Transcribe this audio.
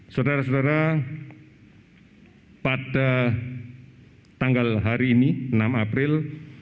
saudara saudara pada tanggal hari ini enam april